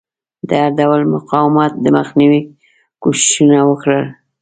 د هر ډول مقاومت د مخنیوي کوښښونه وکړل.